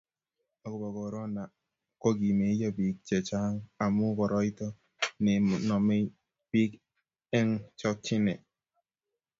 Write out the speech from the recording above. akubo korono ko kimeyo biik che chang' amu koroito ne nomei biich eng' chokchine